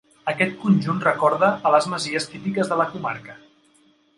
Aquest conjunt recorda a les masies típiques de la comarca.